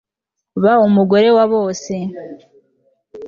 Ba umugore wa bose